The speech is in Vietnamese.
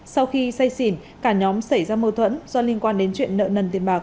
sau khi say xỉn cả nhóm xảy ra mâu thuẫn do liên quan đến chuyện nợ nần